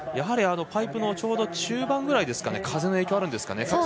パイプのちょうど中盤ぐらいで風の影響があるんですかね。